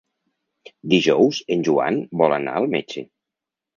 Dijous en Joan vol anar al metge.